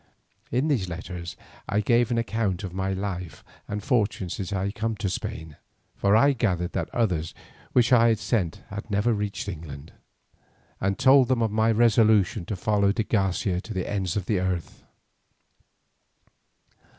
In these letters I gave an account of my life and fortunes since I had come to Spain, for I gathered that others which I had sent had never reached England, and told them of my resolution to follow de Garcia to the ends of the earth.